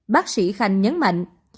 bác sĩ khanh nhấn mạnh